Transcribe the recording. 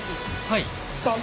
はい。